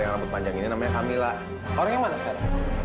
iya mas livia udah meninggal seminggu yang lalu